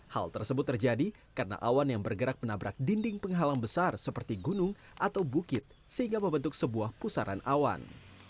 hal tersebut terjadi karena awan yang bergerak menabrak dinding penghalang besar seperti gunung atau bukit sehingga membentuk sebuah pusaran awan